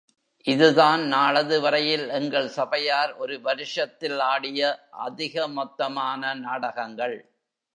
இதுதான் நாளது வரையில் எங்கள் சபையார் ஒரு வருஷத்தில் ஆடிய அதிக மொத்தமான நாடகங்கள்.